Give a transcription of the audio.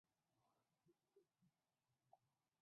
正因为是他我才愿意